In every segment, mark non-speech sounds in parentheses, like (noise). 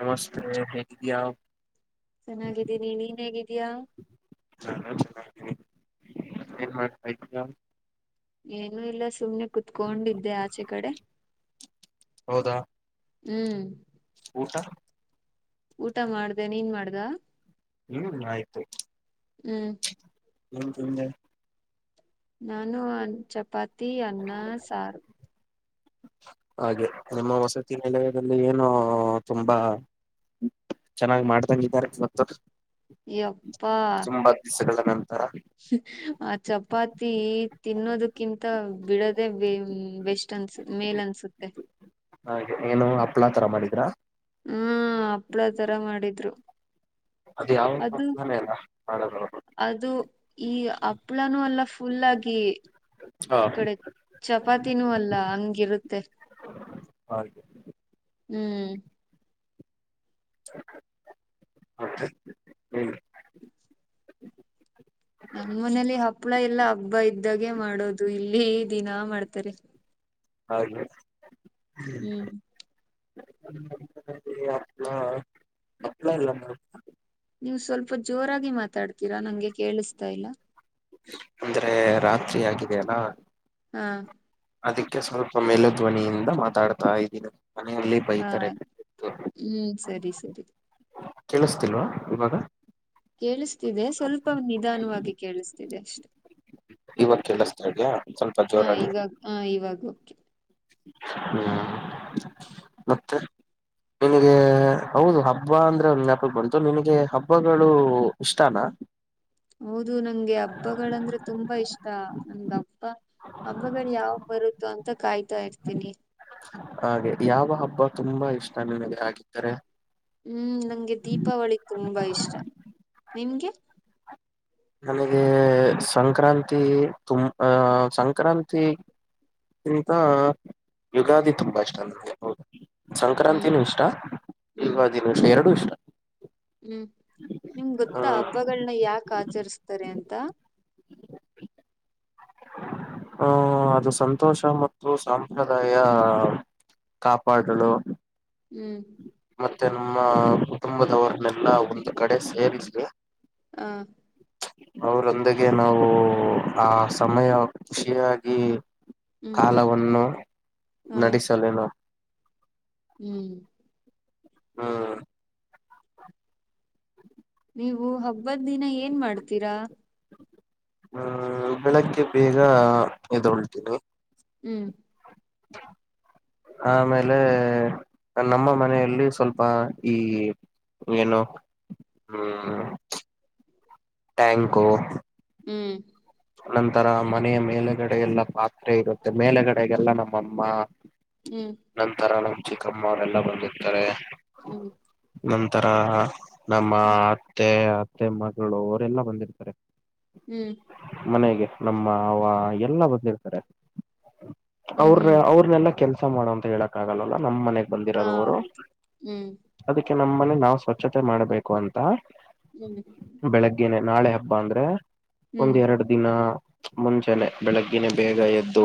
ನಮಸ್ತೆ ಹೇಳೇಿದಿಾ ಚೆನ್ನಾಗಿದ್ದೀನಿ ನೀನ್ ಹೇಗಿದ್ದೀಯಾ (inaudible) ಏನು ಇಲ್ಲ ಸುಮ್ಮನೆ ಕುೂತ್ಕೊಂಡಿದ್ದೆ ಆಚೆ ಕಡೆ. ಹೌದಾ ಹ್ಮ್. ಊಟ. ಊಟ ಮಾಡದೇ ನೀನ್ ಮಾಡದಾ. ಹ್ಮ್ ಆಯ್ತು ಹ್ಮ್ (unintelligible) ನಾನು ಚಪಾತಿ ಅನ್ನ ಸಾರು. ಹಾಗೆ ನಿಮ್ಮ ವಸತಿ ನಿಲಯದಲ್ಲಿ ಏನು ತುಂಬಾ. ಚೆನ್ನಾಗಿ ಮಾಡ್ದಂಗಿದ್ದಾರೆ ಇವತ್ತು. ಯಪ್ಪಾ ತುಂಬಾ ದಿವ್ಸಗಳ ನಂತರ. ಆ ಚಪಾತಿ ತಿನ್ನೋದಕ್ಕಿಂತ ಬಿಡೋದೆ ಬೆ ಬೆಶ್ ಅನ್ಸ ಮೇಲ್ ಅನ್ಸುತ್ತೆ. ಹಾಗೆ ಏನು ಹಪ್ಳಾ ತರ ಮಾಡಿದ್ರಾ. ಹ್ಮ್ ಹಪ್ಳ ತರ ಮಾಡಿದ್ರು. ಅದ ಯಾವಾನ (unintelligible) ಅದು ಅಲ್ಲ ಬೇಡ ಬೇಡ ಬೇಡ ಅದು ಈ ಹಪ್ಳನು ಅಲ್ಲ ಫುಲ್ ಆಗಿ. ಹಾ ಈ ಕಡೆ ಚಪಾತಿನೂ ಅಲ್ಲ ಹಂಗಿರುತ್ತೆ. ಹಾಗೆ. ಹ್ಮ್. (inaudible) ನಮ್ಮ ಮನೇಲಿ ಹಪ್ಳ ಎಲ್ಲಾ ಹಬ್ಬ ಇದ್ದಾಗೆ ಮಾಡೋದು ಇಲ್ಲಿ ದಿನ ಮಾಡ್ತಾರೆ. ಹಾಗೆ ಹ್ಮ್. (inaudible) ನೀವು ಸ್ವಲ್ಪ ಜೋರಾಗಿ ಮಾತಾಡ್ತೀರಾ ನಂಗೆ ಕೇಳಿಸತಾ ಇಲ್ಲ. ಅಂದ್ರೆ ರಾತ್ರಿ ಆಗಿದ ಅಲ್ಲಾ. ಹಾ. ಅದಕ್ಕೆ ಸ್ವಲ್ಪ ಮೇಲ್ಲ ಧ್ವನಿಯಿಂದ ಮಾತಾಡ್ತಾ ಇದ್ದೀನಿ ಮನೆಯಲ್ಲಿ. ಹಾ ಬೈತಾರೆ ಹ್ಮ್ ಸರಿ ಸರಿ. ಕೆೇಳಸತಿಲ್ವಾ ಇವಾಗ. ಕೇಳಿಸ್ತಿದೆ ಸ್ವಲ್ಪ ನಿಧಾನವಾಗಿ ಕೇಳಿಸ್ತಿದೆ ಅಷ್ಟೆ. ಇವಾಗ ಕೇಳಸ್ತಾ ಇದ್ಯ ಸ್ವಲ್ಪ ಹಾ ಜೋರಾಗಿ. ಇವಾಗ ಹಾ ಇವಾಗ ಓಕೆ. ಹ್ಮ ಮತ್ತ ಹೌದು ಹಬ್ಬ ಅಂದ್ರೆ ಒಂದು ನ್ಯಾಪಕ್ ಬಂತು ನಿಮಗೆ ಹಬ್ಬಗಳು ಇಷ್ಟಾನಾ. ಹೌದು ನಂಗೆ ಹಬ್ಬಗಳಂದ್ರೆ ತುಂಬಾ ಇಷ ನಮ್ಗ ಹಬ್ಬ ಹಬ್ಬಗಳ ಯಾವಾಗ ಬರುತ್ತೋ ಅಂತ ಕಾಯ್ತಾ ಇರ್ತೀನಿ. ಹಾಗೆ ಯಾವ ಹಬ್ಬ ತುಂಬಾ ಇಷ್ಟ ನನಗೆ ಆಗಿದ್ದರೆ. ಹ್ಮ್ ನಂಗೆ ದೀಪಾವಳಿ ತುಂಬಾ ಇಷ್ಟ ನಿಮ್ಗೆ. ನನಗೆ ಸಂಕ್ರಾಂತಿ ತುಂಬ ಸಂಕ್ರಾಂತಿ. ಕ್ಕಿಂತ ಯುಗಾದಿ ತುಂಬ ಇಷ್ಟ ನಂಗೆ ಹ್ಮ್ ಸಂಕ್ರಾಂತಿನೂ ಇಷ್ಟ ಹ್ಮ್ ಯುಗಾದಿನು ಎರಡು ಇಷ್ಟ. ಹ್ಮ್ ನಿಮ್ಗಗೊತ್ತ ಹ್ಮ್ ಹಬ್ಬಗಳನ್ನ ಯಾಕ ಆಚರಿಸ್ತಾರೆ ಅಂತ. ಹ ಅದು ಸಂತೋಷ ಮತ್ತು ಸಾಪ್ರದಾಯ ಕಾಪಾಡಲು ಹ್ಮ್ ಮತ್ತೆ ನಮ್ಮ ಕುಟುಂಬದವರನ್ನೆಲ್ಲಾ ಒಂದ್ ಕಡೆ ಸೇಿದ್ವಿ ಹ ಅವರೊಂದಿಗೆ ನಾವು ಆ ಸಮಯ ಖುಷಿಯಾಗಿ ಹ್ಮ್ ಕಾಲವನ್ನು ಹ ನಡೆಸಲೇನು ಹ್ಮ್ ಹಾ ನೀವು ಹಬ್ಬದ ದಿನ ಏನ್ ಮಾಡ್ತೀರಾ ಹಹ ಬೆಳಗ್ಕ್ಕೆ ಬೇಗ ಎದುೊಳ್ತೀನಿ ಹ್ಮ್ (inaudible) ಆಮೇಲೆ ನಮ್ಮ ಮನೆಯಲ್ಲಿ ಸ್ವಲ್ಪ ಈ ಏನು ಹ್ಮ ಟ್ಯಾಂಕು ಹ್ಮ್ ನ ನಂತರ ಮನೆಯ ಮೇಲಗಡೆ ಎಲ್ಲ ಪಾತ್ರೆ ಇರುತ್ತೆ ಮೇಲಗಡೆಗೆಲ್ಲ ನಮ್ಮಮ್ಮ ಹ್ಮ್ ನಂತರ ನಮ್ಮ್ ಚಿಕ್ಕಮ್ಮ ಅವರೆಲ್ಲಾ ಬಂದಿರ್ತಾರೆ ಹ್ಮ್ ನಂತರ ನಮ್ಮ ಹ್ಮ್ ಅತ್ತೆ ಅತ್ತೆ ಮಗಳು ಅವರೆಲ್ಲಾ ಬಂದಿರ್ತಾರೆ ಹ್ಮ್ ಮನೆಗೆ ನಮ್ಮ ಅವ ಎಲ್ಲಾ ಬಂದಿರ್ತಾರೆ ಹ್ಮ್ ಅವ್ರ ಹ್ಮ್ ಅವ್ರನೆೆಲ್ಲಾ ಕೆಲ್ಸ ಮಾಡುವ ಅಂತ ಹೇಳಕ್ ಆಗಲ್ಲಲ್ಲ ನಮಮ್ಮ ಮನೆಗ್ ಹ ಬಂದಿರೋದು ಅವರು ಹೌದು ಹ್ಮ್ ಅದಕ್ಕೆ ನಮ್ಮನೆ ನಾ್ ಸ್ವಚ್ಛತೆ ಮಾಡ್ಬೇಕು ಅಂತ ಹ ಹ್ಮ್ ಬೆಳಗ್ಗೆೇನೆ ನಾಳೆ ಹಬ್ಬ ಅಂದ್ರೆ ಒಂದ್ ಹ್ಮ್ ಎರಡು ದಿನ ಮುಂಚೆಾನೆ ಹ್ಮ್ ಬೆಳಗ್ಗಿನ ಬೇಗ ಎದ್ದು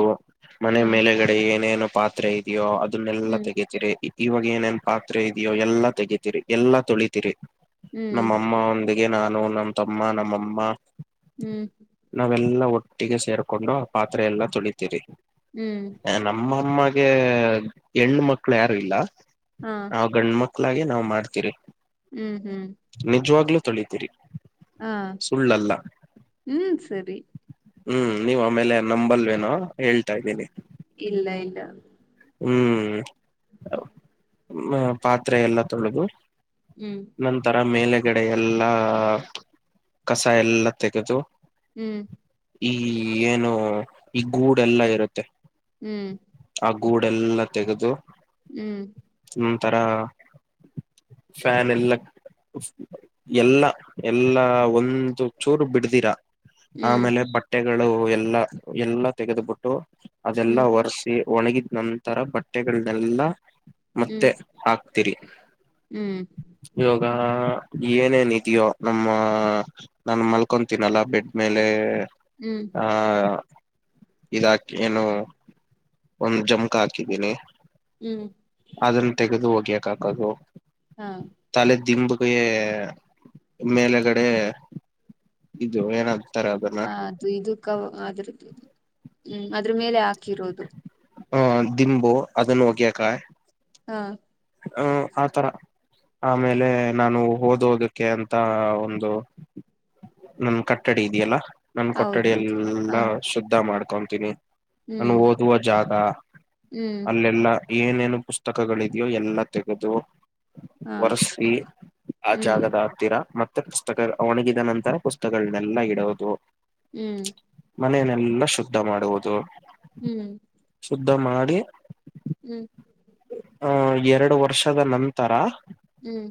ಹ ಮನೆ ಮೇಲೆ ಏನೇನು ಪಾತ್ರೆ ಇದೆಯೋ ಅದನ್ನೆಲ್ಲಾ ಹ್ಮ್ ತೆಗತೀರಿ ಇವಾಗ ಏನೇನ್ ಪಾತ್ರೆ ಇದೆಯೋ ಎಲ್ಲಾ ತೆಗತಿೀರಿ ಎಲ್ಲಾ ತೊಳಿತೀರಿ ನಮ್ಮ ಹ್ಮ್ ಅಮ್ಮ ಒಂದ ಹಾಗಗೆ ನಾನು ನಮ್ ತಮ್ಮ ನಮ್ಮಮ್ಮ ಹ್ಮ್ ನಾವೆಲ್ಲಾ ಒಟ್ಟಿಗೆ ಸೇರ್ಕೊಂಡು ಆ ಪಾತ್ರೆ ಎಲ್ಲ ತುಳಿತೀರಿ ಹ್ಮ್ ನಮ್ಮಮ್ಮಗೆ ಹೆಣು ಮಕ್ಳು ಯಾರು ಇಲ್ಲ ಹಾ ನಾವ್ ಗಂಡ ಮಕ್ಳಾಗ ನಾವ್ ಮಾಡ್ತಿೀರಿ ಹ್ಮ್ ಹ್ಮ್ ನಿಜವಾಗ್ಲೂ ತೊಳೀಿತೀರಿ ಹಾ ಹ್ಮ್ ಸರಿ ಹ್ಮ್ ನೀವ್ ಆಮೇಲೆ ನಂಬಲ್ವೇನೋ ಹೇಳ್ತಾ ಇದ್ದೀನಿ ಇಲ್ಲ ಇಲ್ಲ ಹ್ಮ್ ಹ ಹ ಪಾತ್ರೆ ಎಲ್ಲ ತೊಳೆದು ಹ್ಮ್ ನಂತರ ಮೇಲಗಡೆ ಎಲ್ಲಾ ಕಸ ಎಲ್ಲ ತೆಗೆದು ಹ್ಮ್ ಈ ಏನು ಈ ಗೂಡೆಲ್ಲಾ ಇರುತ್ತೆ. ಹ್ಮ್. ಆ ಗೂಡೆಲ್ಲಾ ತೆಗದು. ಹ್ಮ್. ಒಂತರ ಫ್ಯಾನ್ ಎಲ್ಲ ಎಲ್ಲ ಎಲ್ಲ ಒಂದು ಚೂರು ಬಿಡ್ದಿರಾ. ಹ್ಮ್ ಆಮೇಲೆ ಬಟ್ಟೆಗಳು ಎಲ್ಲಾ ಎಲ್ಲಾ ತೆಗೆದುಬಿಟ್ಟು ಹ್ಮ್ ಅದೆಲ್ಲಾ ಒರ್ಸ್. ಒಣಗಿದ ನಂತರ ಬಟ್ಟೆಗಳನೆೆಲ್ಲಾ. ಮತ್ತೆ ಹ್ಮ್ ಹಾಕ್ತಿರಿ. ಹ್ಮ್ ಇವಾಗ ಏನೇನ್ ಇದೆಯೋ ನಮ್ಮ ನಾನು ಮಲ್ಕೊತೀನಲ್ಲಾ ಬೆಡ್ ಮೇಲೆ ಹ್ಮ್. ಹ ಇದಾಕಿ ಏನು ಒಂದ ಜಮಕ್ ಹಾಕಿದೀನಿ. ಹ್ಮ್. ಅದನ್ನ ತೆಗೆದು ಒಗ್ಯಾಕಾಕದು. ಹಾ. ತಲೆ ದಿಂಬಗೆ ಮೇಲೆಗಡೆ ಇದು ಏನದ. ಹ ಅದು ಇದು ಕ ಅದ್ರದ್ದ ಹ್ಮ್ ಅದ್ರ ಮೇಲೆ ಹಾಕಿರೋದು. ಹ ದಿಂಬು ಅದನ್ನು ಒಗಿಯಕ. ಹಾ. ಹ ಆತರ. ಆಮೇಲೆ ನಾನು ಓದೋದಕ್ಕೆ ಅಂತ ಒಂದು. ನನ್ನ ಕಟ್ಟಡಿ ಇದೆಯಲ್ಲಾ ನನ್ನ ಕೊಠಡಿ ಹೌದೌದು ಹ ಎಲ್ಲಾ ಶುದ್ಧ ಮಾಡ್ಕೊತೀನಿ. ನಾನು ಹ್ಮ್ ಓದುವ ಜಾಗ ಹ್ಮ್ ಅಲ್ಲೆಲ್ಲಾ ಏನೇನು ಪುಸ್ತಕಗ (unintelligible) ಎಲ್ಲ ತೆಗೆದು ಹ ಒರ್ಸಿ ಆ ಹ್ಮ್ ಜಾಗದ ಹತ್ತೀರ ಮತ್ತ ಪುಸ್ತಕ ಒಣಗಿದ ನಂತರ ಪುಸ್ತಕಗಳನ್ನೆಲ್ಲ ಇಡೋದು. ಹ್ಮ್. ಮನೆಯನೆೆಲ್ಲಾ ಶುದ್ಧ ಮಾಡುವುದು. ಹ್ಮ್. ಶುದ್ಧ ಮಾಡಿ. ಹ್ಞೂ. ಆ ಎರಡು ವರ್ಷದ ನಂತರ. ಹ್ಮ್.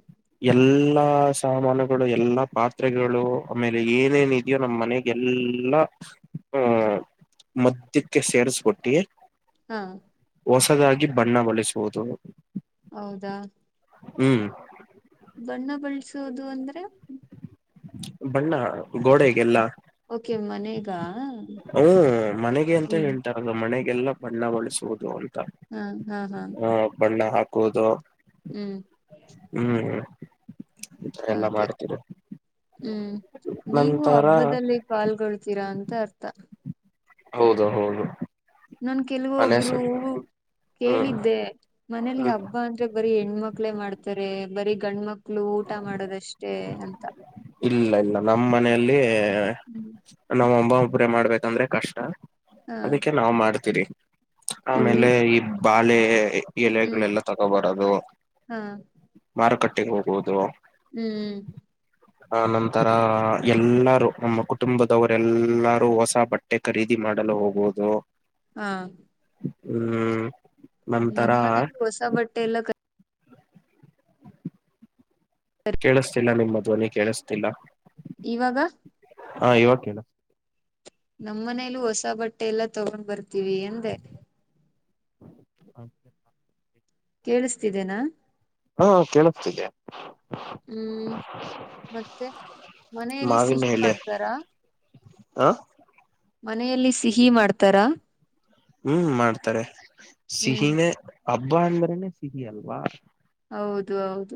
ಎಲ್ಲಾ ಸಾಮಾನುಗಳು ಎಲ್ಲಾ ಪಾತ್ರೆಗಳು ಆಮೇಲೆ ಏನೇನ್ ಇದೆಯೋ ನಮ್ಮ್ ಮನೆ ಎಲ್ಲ ಆ ಮದ್ಯಕ್ಕೆ ಸೇರಿಸಬಿಟ್ಟಿ. ಹಾ. ಹೊಸದಾಗಿ ಬಣ್ಣ ಬಳಿಸುವುದು. ಹೌದಾ. ಹ್ಮ್. ಬಣ್ಣ ಬಳಸೋದು ಅಂದ್ರೆ. ಬಣ್ಣ ಗೋಡೆಗೆಲ್ಲ. ಓಕೆ ಮನೆಗಾ. ಹ ಮನೆಗೆ ಅಂತ ಹೇಳ್ತಾರದು ಮನೆಗೆಲ್ಲ ಬಣ್ಣ ಬಳಸುದು ಅಂತ. ಹ ಹಾ ಹಾ. ಹ ಬಣ್ಣ ಹಾಕುವುದು. ಹ್ಮ್ ಹ್ಮ್ ಎಲ್ಲ ಹಾಗೆ ಮಾಡ್ತೀರಿ ಹ್ಮ್ ನೀವು ನಂತರ ಹಬ್ಬದಲ್ಲಿ ಪಾಲ್ಗೊಳ್ತೀರಾ ಅಂತ ಅರ್ಥ. ಹೌದ ಹೌದು ನನ್ ಅನೇಸ ಕೆಲವೊಬ್ರು ಹ್ಮ್ ಕೇಳಿದ್ದೆ ಮನೇಲಿ ಹ್ಮ್ ಹಬ್ಬ ಅ ಬರೀ ಹೆಣ್ಮಕ್ಳೇ ಮಾಡ್ತಾರೆ ಬರೀ ಗಂಡ ಮಕ್ಳು ಊಟ ಮಾಡೋದಷ್ಟೇ ಅಂತ. ಇಲ್ಲ ಇಲ್ಲ ನಮ್ಮ ಮನೆಯಲ್ಲಿ (inaudible) ನಮ್ಮ ಅಮ್ಮ ಒಬ್ಬರೇ ಮಾಡ್ಬೇಕಂದ್ರೆ ಕಷ್ಟ ಹಾ ಅದಕ್ಕೆ ನಾವ್ ಮಾಡ್ತೀವಿ. ಒಳ್ಳ ಆಮೇಲೆ ಈ ಬಾಳೆ ಹ್ಮ್ ಎಲೆಗಳೆಲ್ಲ ತಗೋಬರದು. ಹಾ ಮಾರುಕಟ್ಟೆಗೆ ಹೋಗುವುದು, ಹ್ಮ್ ಆ ನಂತರ ಎಲ್ಲಾರು ನಮ್ಮ ಕುಟುಂಬದವರೆಲ್ಲರೂ ಹೊಸ ಬ (unintelligible) ಖರೀದಿ ಮಾಡಲು ಹೋಗೋದು. ಹಾ ಹ್ಮ್ ನಂತರ ನಮ್ಮನೆಲಿ ಹೊಸ ಬಟ್ಟೆ ಎಲ್ಲ ಕ ಕೇಳಿಸ್ತಿಲ್ಲ ನಿಮ್ಮ ಧ್ವನಿ ಕೇಳಿಸ್ತಿಲ್ಲ. ಇವಾಗ ಹಾ ಇವಗಕೇ (unintelligible) ನಮ್ಮ್ ಮನೇಲ್ಲೂ ಹೊಸ ಬಟ್ಟೆ ಎಲ್ಲಾ ತಗೊಂಡ್ ಬರ್ತೀವಿ ಎಂದೆ. (inaudible) ಕೇಳಿಸ್ತಿದೆೇನಾ. ಹೂ ಕೇಳಿಸ್ತಿದೆ ಹ್ಮ್ ಮತ್ತೆ ಮನೆಯಲ್ಲಿ ಮಾವಿನ ಸಿಹಿ ಎಲೆ ಮಾಡ್ತಾರಾ. ಹ ಮನೆಯಲ್ಲಿ ಸಿಹಿ ಮಾಡ್ತಾರಾ ಹ್ಮ್ ಮಾಡ್ತಾರೆ ಹ್ಮ್ ಸಿಹಿನೇ ಹಬ್ಬ ಅಂದ್ರನೆ ಸಿಹಿ ಅಲ್ವಾ. ಹೌದು ಹೌದು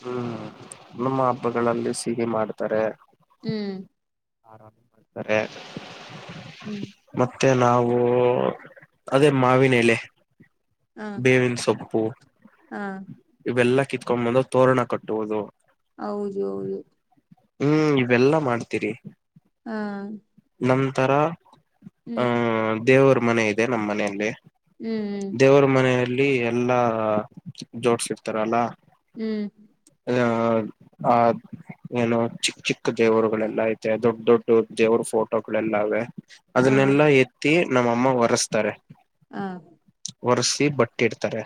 ಹ್ಮ್ ನಮ್ಮ ಹಬ್ಬಗಳಲ್ಲಿ ಸೀಹಿ ಮಾಡ್ತಾರೆ. ಹ್ಮ್ ಅರೆ ಹ್ಮ್ ಮತ್ತೆ ನಾವು ಅದೇ ಮಾವಿನ ಎಲೆ. ಹ ಬೇವಿನ ಸೊಪ್ಪು ಹಾ ಇವೆಲ್ಲಾ ಕಿತ್ಕೊಂಡ್ ಬಂದ ತೋರಣ ಕಟ್ಟುವುದು. ಹೌದು ಹೌದು ಹ್ಮ್ ಇವೆಲ್ಲಾ ಮಾಡ್ತೀವಿ. ಹಾ ನಂತರ ಹ್ಮ್ ಆಹ್ ದೇವ್ರ ಮನೆ ಇದೆ ನಮ್ಮ್ ಮನೆಯಲ್ಲಿ. ಹ್ಮ್ ದೇವರ ಮನೆಯಲ್ಲಿ ಎಲ್ಲಾ ಜೋಡ್ಸರ್ತಾರಲ್ಲ. ಹ್ಮ್ ಅ ಹ (unintelligible) ಏನೋ ಚಿಕ್ ಚಿಕ್ ದೇವರುಗಳೆಲ್ಲಾ ಐತೆ ದೊಡ್ ದೊಡ್ ದೇವ್ರ ಫೋ (unintelligible) ಹಾ ಅದನ್ನೆಲ್ಲಾ ಎತ್ತಿ ನಮ್ಮಮ್ಮ ಹೊರೆಸ್ತಾರೆ. ಹಾ ಒರ್ಸಿ ಬಟ್ ಇಡ್ತಾರೆ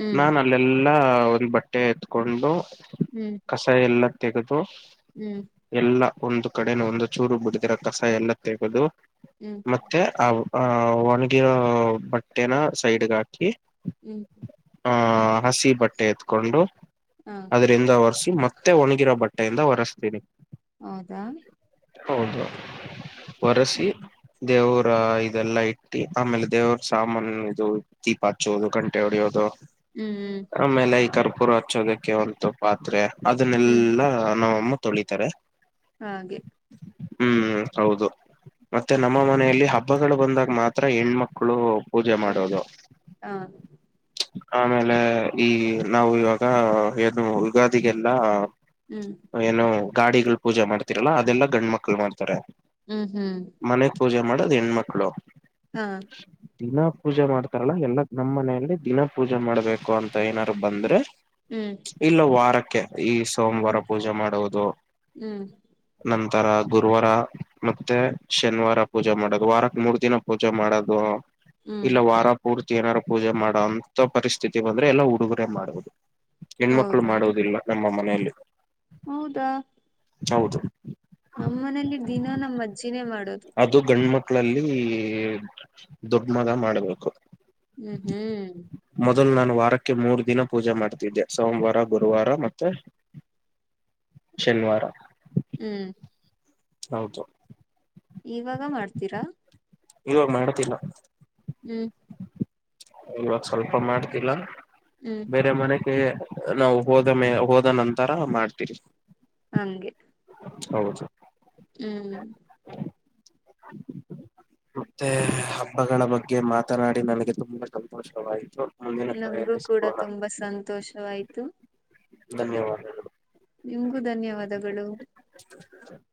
ಹ್ಮ್ ನಾನ ಅಲ್ಲೆಲ್ಲಾ ಒಂದ್ ಬಟ್ಟೆ ಎತ್ಕೊಂಡು ಹ್ಮ್ ಕಸ ಎಲ್ಲ ತೆಗೆದು ಹ್ಮ್ ಎಲ್ಲ ಒಂದು ಕಡೆನು ಒಂದು ಚೂರು ಬಿಡಿದಿರ ಕಸ ಎಲ್ಲ ತೆಗದು ಹ್ಮ್ ಮತ್ತೆ ಆವ್ ಆ ಹ ಒಣಗಿರೋ ಬಟ್ಟೆನ ಸೈಡ್ಗ ಹಾಕಿ (unintelligible) ಆ ಹಸಿ ಬಟ್ಟೆ ಎತ್ಕೊಂಡು ಹಾ ಅದ್ರಿಂದ ಒರೆಸಿ ಮತ್ತೆ ಒಣಗಿರೋ ಬಟ್ಟೆಯಿಂದ ಒರಸ್ತೀನಿ. ಹೌದಾ? ಹೌದು ಒರಸಿ ಹ್ಮ್ ದೇವರ ಇದೆಲ್ಲಾ ಇ ಟ್ಟಿ ಆಮೇಲೆ ದೇವ್ರ ಸಾಮನ್ ಇದು ದೀಪ ಹಚ್ಚೋದು ಗಂಟೆ ಹೊಡಿಯೋದು. ಹ್ಮ ಹ್ಮ ಆಮೇಲೆ ಈ ಕರ್ಪೂರ ಹಚ್ಚೋದಕ್ಕೆ (unintelligible) ಪಾತ್ರೆ ಹ್ಮ್ ಅದನ್ನೆಲ್ಲಾ ನಮ್ಮಮ್ಮ ತೊಳಿತಾರೆ. ಹಾಗೆ ಹ್ಮ ಹೌದು ಮತ್ತೆ ನಮ್ಮ ಮನೆಯಲ್ಲಿ ಹಬ್ಬಗಳು ಬಂದಾಗ ಮಾತ್ರ ಹೆಣ್ಮಕ್ಳು ಪೂಜೆ ಹ್ಮ್ ಮಾಡೋದು. ಹಾ ಆಮೇಲೆ ಈ ನಾವು ಇವಾಗ ಏನು ಯುಗಾದಿಗೆಲ್ಲ ಹ್ಮ ಏನೋ ಗಾಡಿಗಳು ಪೂಜೆ ಮಾಡ್ತಿರಲ್ಲ ಅದೆಲ್ಲಾ ಗಂಡ್ ಮಕ್ಳು ಮಾಡ್ತಾರೆ. ಹ್ಮ ಹ್ಮ ಮನೆಗ್ ಪೂಜೆ ಮಾಡದು ಹೆಣ್ಮಕ್ಳು. ಹಾ ದಿನ ಪೂಜೆ ಮಾಡ್ತಾರಲ್ಲ ಎಲ್ಲ ನಮ್ಮ ಮನೆಯಲ್ಲಿ ದಿನ ಪೂಜೆ ಮಾಡ್ಬೇಕು ಅಂತ ಏನಾರು ಬಂದ್ರೆ ಹ್ಮ ಇಲ್ಲ ವಾರಕ್ಕೆ ಈ ಸೋಮವಾರ ಪೂಜೆ ಮಾಡುವುದು ಹ್ಮ್ ನಂತರ ಗುರುವಾರ ಮತ್ತೆ ಶನಿವಾರ ಪೂಜೆ ಮಾಡದು ವಾರಕ್ ಮೂರ್ ದಿನ ಪೂಜೆ ಮಾಡೋದು ಹ್ಮ್ ಇಲ್ಲ ವಾರ ಪೂರ್ತಿ ಏನಾರು ಪೂಜೆ ಮಾಡೋಂತ ಪರಿಸ್ಥಿತಿ ಬಂದ್ರೆ ಎಲ್ಲ ಹುಡುಗುರೇ ಮಾಡದು. ಹೆಣ್ಮಕ್ಳು ಹೌದಾ ಮಾಡೊದಿಲ್ಲ ನಮ್ಮ ಮನೆಯಲ್ಲಿ ಹೌದಾ ಹೌದು ನಮ್ ಮನೇಲಿ ದಿನ ನಮ್ ಅಜ್ಜಿನೇ ಮಾಡೋದು. ಅದು ಗಂಡ್ ಮಕ್ಳಲ್ಲಿ ದೊಡ್ ಮಗ ಮಾಡಬೇಕು. ಹ್ಮ ಹ್ಮ ಮೊದಲ್ ನಾನು ವಾರಕ್ಕೆ ಮೂರ್ ದಿನ ಪೂಜೆ ಮಾಡ್ತಿದ್ದೆ ಸೋಮವಾರ ಗುರುವಾರ ಮತ್ತೆ ಶನಿವಾರ ಹ್ಮ ಹೌದು ಇವಾಗ ಮಾಡ್ತೀರಾ ಇವಾಗ್ ಮಾಡ್ತಿಲ್ಲ ಹ್ಮ ಇವಾಗ ಸ್ವಲ್ಪ ಮಾಡ್ತಿಲ್ಲ ಹ್ಮ್ ಬೇರೆ ಮನೆಗೆ ನಾವು ಹೋದ ಮೇ ಹೋದ ನಂತರ ಮಾಡ್ತೀರಿ. ಹಂಗೆ ಹೌದು ಹ್ಮ (inaudible) ಮತ್ತೆ ಹಬ್ಬಗಳ ಬಗ್ಗೆ ಮಾತನಾಡಿ ನನಗೆ ತುಂಬಾ ಸಂತೋಷವಾಯಿತು. ಮುಂದಿನ ನಂಗೂ ಕರೆಯಲ್ಲಿ ಕೂಡ ಸಿಗೋಣ ತುಂಬಾ ಸಂತೋಷವಾಯ್ತು. ಧನ್ಯವಾದ. ನಿಮಗೂ ಧನ್ಯವಾದಗಳು. (inaudible)